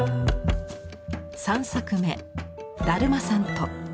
３作目「だるまさんと」。